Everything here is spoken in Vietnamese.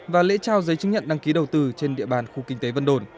và lễ trao giấy chứng nhận đăng ký đầu tư trên địa bàn khu kinh tế vân đồn